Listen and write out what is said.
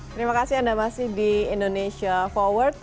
terima kasih anda masih di indonesia forward